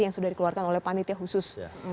yang sudah dikeluarkan oleh panitia khusus